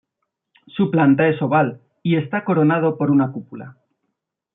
Su planta es oval y está coronado por una cúpula.